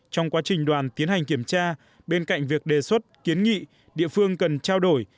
trong quá trình đoàn tiến hành kiểm tra bên cạnh việc đề xuất kiến nghị địa phương cần trao đổi